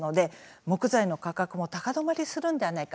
木材の価格も高止まりするのではないか